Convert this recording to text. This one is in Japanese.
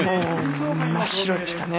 真っ白でしたね。